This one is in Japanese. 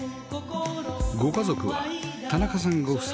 ご家族は田中さんご夫妻